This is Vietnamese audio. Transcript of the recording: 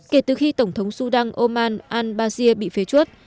kể từ khi tổng thống sudan oman al basir bị phế chuốt